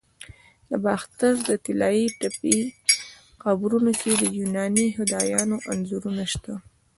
د باختر د طلایی تپې قبرونو کې د یوناني خدایانو انځورونه شته